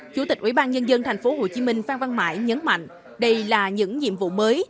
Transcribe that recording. chủ tịch ủy ban nhân dân tp hcm phan văn mãi nhấn mạnh đây là những nhiệm vụ mới